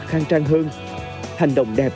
khang trang hơn hành động đẹp